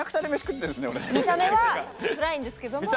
見た目は暗いんですけども。